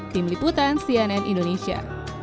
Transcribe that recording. tim liputan cnn indonesia